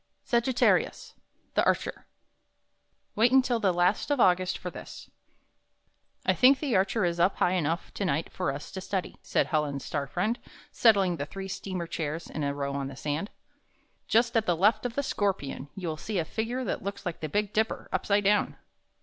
SAGITTAHIUS, THE ARCHER Wait until the last of August for this "1 think the Archer is up high enough to night for us to study," said Helen's star friend, settling the three steamer chairs in a row on the sand. "Just at the left of the Scorpion, you will see a figin^e that looks like the Big Dipper up side down."